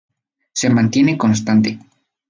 Se mantiene constante.